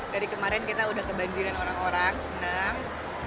dari kemarin kita udah kebanjiran orang orang senang